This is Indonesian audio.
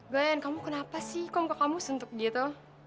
glenn kamu kenapa sih kok muka kamu sentuk gitu